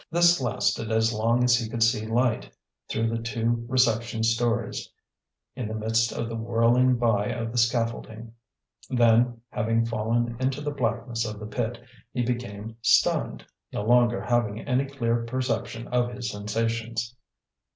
This lasted as long as he could see light, through the two reception stories, in the midst of the whirling by of the scaffolding. Then, having fallen into the blackness of the pit, he became stunned, no longer having any clear perception of his sensations.